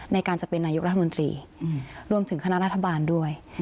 ในการจะเป็นนายกรัฐมนตรีรวมถึงคณะรัฐบาลด้วย